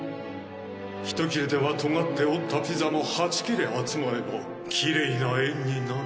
ひと切れでは尖っておったピザも８切れ集まればきれいな円になる。